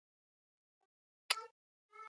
پخوا احمد ډېر راګرځېد؛ اوس يې پښه نيولې ده.